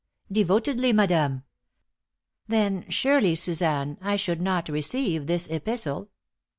"Devotedly, madame." "Then, surely, Suzanne, I should not receive this epistle.